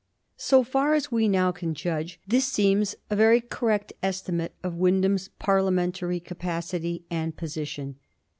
So far as we now can judge, this seems a very correct estimate of Wyndham's Parliamentary capacity and position.